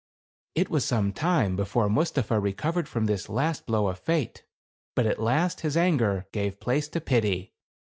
It was some time before Mustapha recovered from this last blow of Fate ; but at last his anger gave place to pity.